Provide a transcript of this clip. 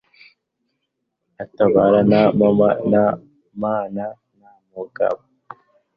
atabara nta nama, nta mana, nta mugaba